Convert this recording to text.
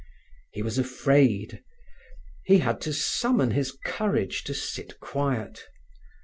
He was afraid; he had to summon his courage to sit quiet.